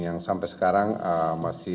yang sampai sekarang masih